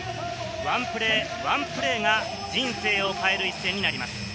ワンプレーワンプレーが人生を変える一戦になります。